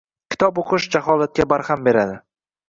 Kitob o‘qish jaholatga barham beradi.